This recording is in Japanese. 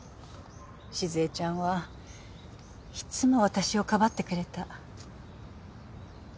静江ちゃんはいつも私をかばってくれた。